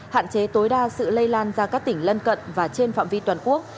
hạn chế tối đa sự lây lan ra các tỉnh lân cận và trên phạm vi toàn quốc